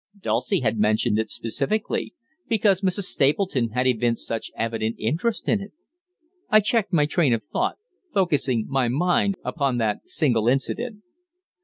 Dulcie had mentioned it specially, because Mrs. Stapleton had evinced such evident interest in it. I checked my train of thought, focussing my mind upon that single incident.